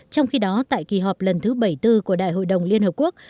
trong khi đó tại kỳ họp lần thứ bảy mươi bốn của đại hội đồng liên hợp quốc